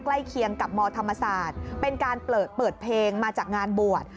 ใกล้เคียงกับมธรรมศาสตร์เป็นการเปิดเพลงมาจากงานบวช